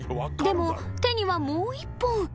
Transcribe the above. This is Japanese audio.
［でも手にはもう一本。